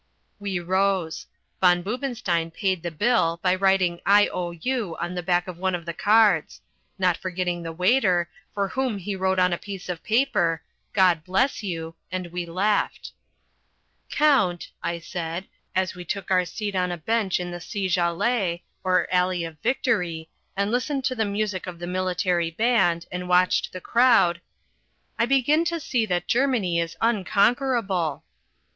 We rose. Von Boobenstein paid the bill by writing I.O.U. on the back of one of the cards not forgetting the waiter, for whom he wrote on a piece of paper, "God bless you" and we left. "Count," I said, as we took our seat on a bench in the Sieges Allee, or Alley of Victory, and listened to the music of the military band, and watched the crowd, "I begin to see that Germany is unconquerable."